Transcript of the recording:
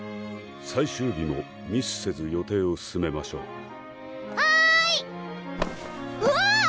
最終日もミスせず予定を進めましょうはいおわっ！